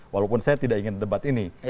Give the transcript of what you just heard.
walaupun saya tidak ingin debat ini